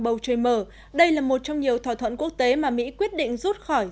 bầu trời mở đây là một trong nhiều thỏa thuận quốc tế mà mỹ quyết định rút khỏi